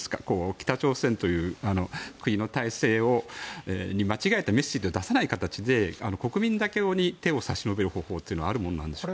北朝鮮という国の体制に間違えたメッセージを出さない形で国民だけに手を差し伸べる方法はあるのでしょうか。